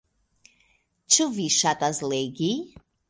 Ĉu vi ŝatas legi?